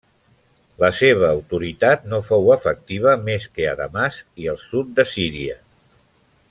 La seva autoritat no fou efectiva més que a Damasc i el sud de Síria.